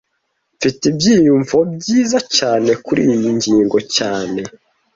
Mfite ibyiyumvo byiza cyane kuriyi ngingo cyane